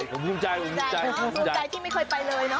ผมภูมิใจนะภูมิใจที่ไม่เคยไปเลยนะ